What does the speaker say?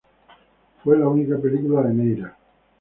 Fue la única película de Neyra.